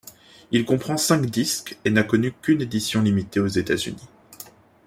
Il comprend cinq disques et n'a connu qu'une édition limitée aux États-Unis.